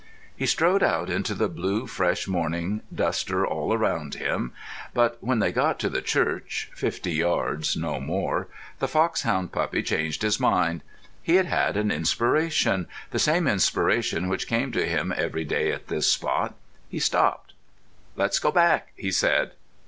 He strode out into the blue fresh morning, Duster all round him. But when they got to the church—fifty yards, no more—the foxhound puppy changed his mind. He had had an inspiration, the same inspiration which came to him every day at this spot. He stopped. "Let's go back," he said.